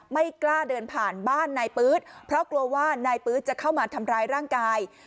ไม่กล้าเดินผ่านบ้านนายปื๊ดเพราะกลัวว่านายปื๊ดจะเข้ามาทำร้ายร่างกาย